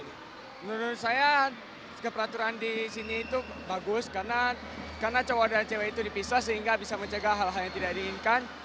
menurut saya keperaturan di sini itu bagus karena cowok dan cewek itu dipisah sehingga bisa mencegah hal hal yang tidak diinginkan